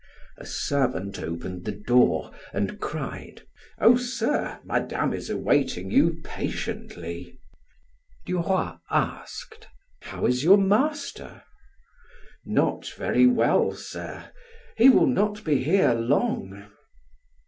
A servant opened the door and cried: "Oh, sir, Madame is awaiting you patiently." Duroy asked: "How is your master?" "Not very well, sir. He will not be here long."